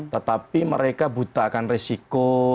tetapi mereka butakan resiko